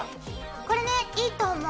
これねいいと思う。